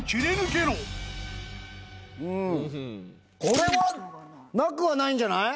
これはなくはないんじゃない？